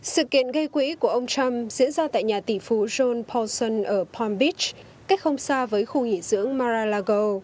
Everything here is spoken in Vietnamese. sự kiện gây quỹ của ông trump diễn ra tại nhà tỷ phú john paulson ở palm beach cách không xa với khu nghỉ dưỡng mar a lago